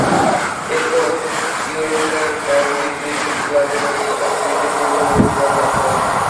এরপর Yorkshire county cricket ক্লাবের পেশাদার ক্রিকেট পরিচালকের পদ লাভ করেন।